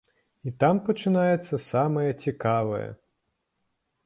І там пачынаецца самае цікавае.